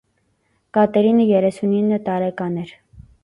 Կատերինը երեսունինը տարեկան էր։